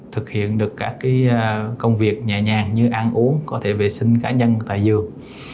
thực hiện được các công việc nhẹ nhàng như ăn uống có thể vệ sinh cá nhân tại giường